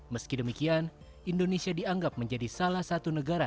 meski demikian indonesia dianggap menjadi salah satu negara